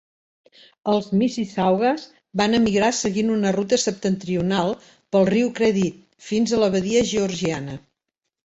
Els Mississaugas van emigrar seguint una ruta septentrional pel riu Credit, fins a la badia Georgiana.